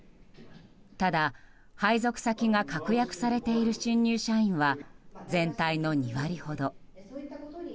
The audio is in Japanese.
ただ、配属先が確約されている新入社員は全体の２割ほど。